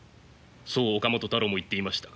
そう岡本太郎も言っていましたが。